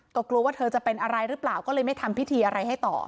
ก็กลัวว่าเธอจะเป็นอะไรหรือเปล่าก็เลยไม่ทำพิธีอะไรให้ต่อ